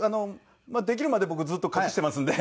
できるまで僕ずーっと隠していますんで。